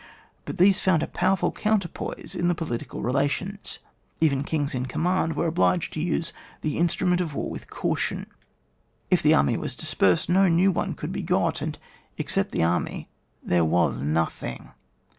But these found a powerful counterpoise in the poK tical relations. Even kings in command were obliged to use the instrument of war with caution. If the army was dispersed, no new one could be got, and except the army there was nothing.